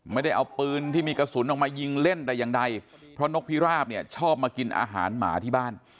ไม่ได้เอาปืนที่มีกระสุนออกมายิงเล่นแต่อย่างใดเพราะนกพิราบเนี่ยชอบมากินอาหารหมาที่บ้าน